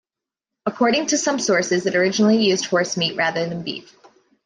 According to some sources it originally used horse meat rather than beef.